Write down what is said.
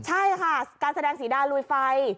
ใช่ค่ะการแสดงสีดาลุยไฟ